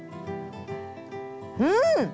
うん！